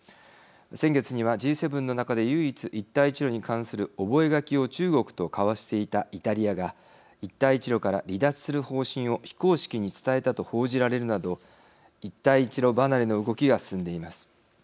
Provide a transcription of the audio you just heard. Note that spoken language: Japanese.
先月には、Ｇ７の中で唯一一帯一路に関する覚書を中国と交わしていたイタリアが一帯一路から離脱する方針を非公式に伝えたと報じられるなど一帯一路離れの動きが進んでいます。